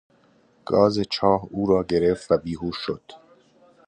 گاز چاه او را گرفت و بیهوش شد.